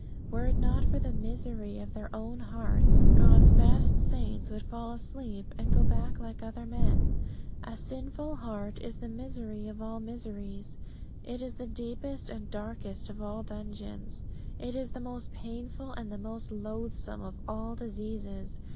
Were it not for the misery of their own hearts, God's best saints would fall asleep and go back like other men. A sinful heart is the misery of all miseries. It is the deepest and darkest of all dungeons. It is the most painful and the most loathsome of all diseases.